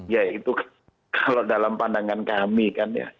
ya itu kalau dalam pandangan kami kan ya